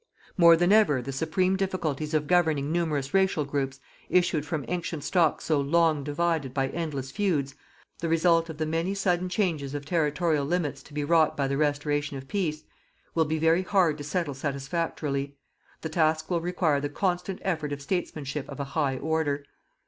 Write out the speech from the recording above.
More than ever the supreme difficulties of governing numerous racial groups, issued from ancient stocks so long divided by endless feuds, the result of the many sudden changes of territorial limits to be wrought by the restoration of peace will be very hard to settle satisfactorily. The task will require the constant effort of statesmanship of a high order.